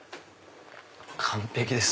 完璧です。